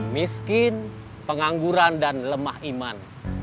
miskin pengangguran dan lemah iman